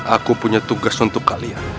aku punya tugas untuk kalian